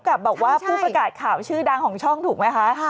กับบอกว่าผู้ประกาศข่าวชื่อดังของช่องถูกไหมคะ